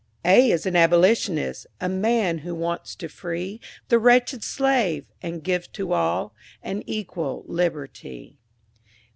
A is an Abolitionist— A man who wants to free The wretched slave—and give to all An equal liberty.